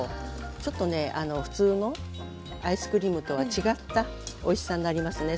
ちょっとね普通のアイスクリームとは違ったおいしさになりますね。